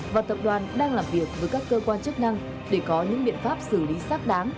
và tập đoàn đang làm việc với các cơ quan chức năng để có những biện pháp xử lý xác đáng